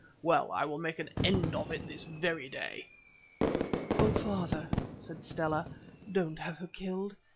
Well, I will make an end of it this very day." "Oh, father," said Stella, "don't have her killed.